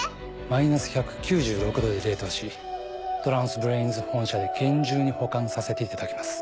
マイナス１９６℃で冷凍しトランスブレインズ本社で厳重に保管させていただきます。